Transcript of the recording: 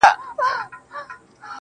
لكه اوبه چي دېوال ووهي ويده سمه زه.